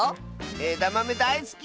えだまめだいすきッス！